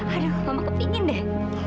aduh mama kepengen deh